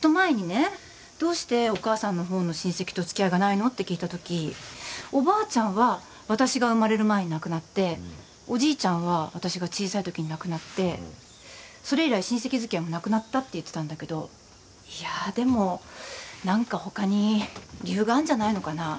「どうしてお母さんの方の親戚と付き合いがないの？」って聞いたときおばあちゃんは私が生まれる前に亡くなっておじいちゃんは私が小さいときに亡くなってそれ以来親戚付き合いもなくなったって言ってたんだけどいやでも何か他に理由があんじゃないのかな。